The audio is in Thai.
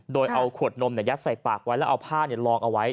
โดยเอาขวดนมยัดใส่ปากไว้แล้วเอาผ้าลองเอาไว้